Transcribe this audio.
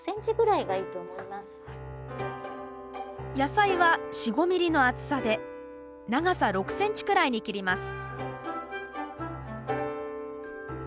野菜は４５ｍｍの厚さで長さ６ｃｍくらいに切ります